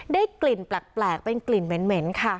ได้กลิ่นแปลกเป็นกลิ่นเหม็นค่ะ